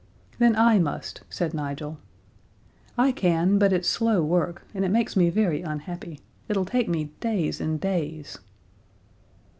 "Then I must," said Nigel. "I can, but it's slow work, and it makes me very unhappy. It'll take me days and days."